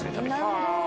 なるほど。